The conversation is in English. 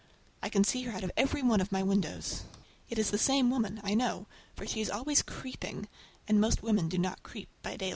I can see her out of every one of my windows! It is the same woman, I know, for she is always creeping, and most women do not creep by daylight.